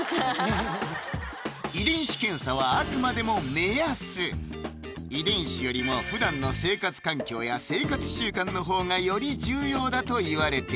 あくまでも遺伝子よりもふだんの生活環境や生活習慣のほうがより重要だといわれている